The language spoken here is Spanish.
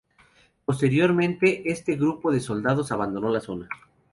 Posteriormente este grupo de soldados abandonó la zona.